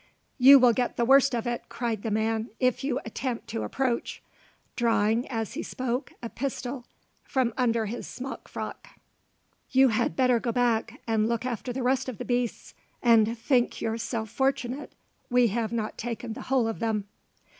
"You will get the worst of it," cried the man, "if you attempt to approach," drawing, as he spoke, a pistol from under his smock frock. "You had better go back and look after the rest of the beasts, and think yourself fortunate we have not taken the whole of them."